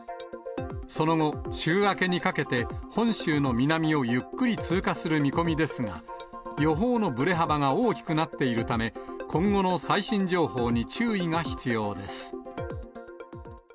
その後、週明けにかけて、本州の南をゆっくり通過する見込みですが、予報のぶれ幅が大きくなっているため、今後の最新情報に注意が必要です。